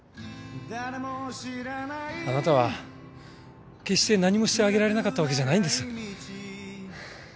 あなたは決して何もしてあげられなかったわけじゃないんです。